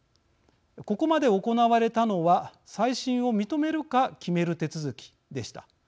ここまで行われたのは再審を認めるか決める手続きでした。